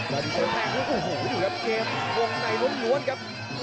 ดาดีเซลแห้งโอ้โหอยู่รับเกมวงในล้วนครับ